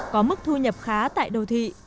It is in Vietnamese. có mức thu nhập khá tại đầu thị